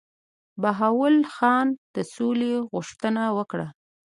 بهاول خان د سولي غوښتنه وکړه.